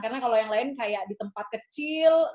karena kalau yang lain kayak di tempat kecil